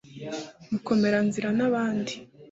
rukomera-nzira n'abandi